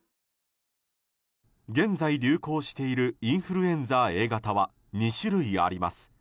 現在、流行しているインフルエンザＡ型は２種類あります。